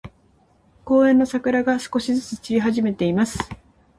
公園の桜が、少しずつ散り始めています。